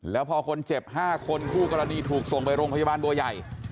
แล้วพอคนเจ็บ๕คนคู่กรณีถูกส่งไปโรงพยาบาลบัวใหญ่